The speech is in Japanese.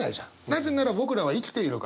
なぜなら僕らは生きているから。